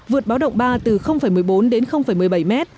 vượt báo động ba từ một mươi bốn đến một mươi bảy m